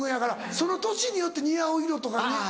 その年によって似合う色とか。